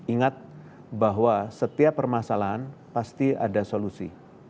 ingat bahwa setiap permasalahan pasti ada solusi